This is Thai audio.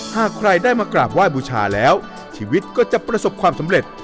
หากใครได้มากราบไหว้บูชาแล้วชีวิตก็จะประสบความสำเร็จ